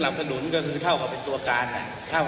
หรือสำหรับสนุนก็คือเท่ากับเป็นตัวการ